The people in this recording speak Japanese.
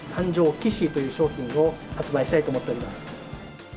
キッシーという商品を発売したいと思っております。